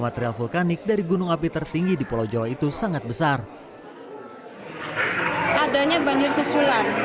material vulkanik dari gunung api tertinggi di pulau jawa itu sangat besar adanya banjir susulan